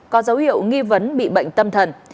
có dấu hiệu nghi vấn bị bệnh tâm thần